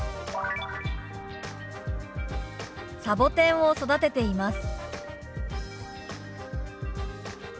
「サボテンを育てています」。